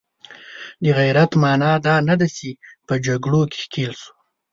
د غیرت معنا دا نه ده چې په جګړو کې ښکیل شو.